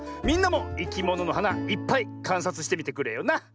みんなもいきもののはないっぱいかんさつしてみてくれよな！